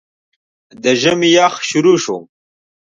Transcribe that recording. د ژمي يخ شورو شو